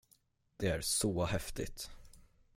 Det är så häftigt!